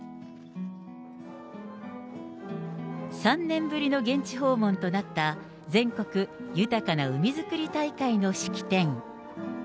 ３年ぶりの現地訪問となった、全国豊かな海づくり大会の式典。